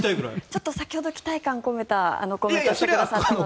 ちょっと先ほど期待感を込めたコメントをしてくださったので。